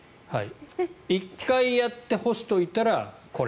１回やって干しておいたらこれ。